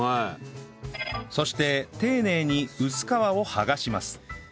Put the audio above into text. そして丁寧に薄皮を剥がします